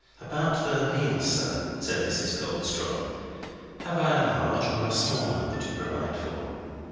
"About the meals, sir?" said Mrs. Goldstraw. "Have I a large, or a small, number to provide for?"